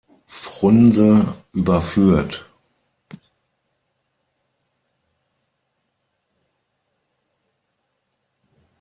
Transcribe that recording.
Frunse" überführt.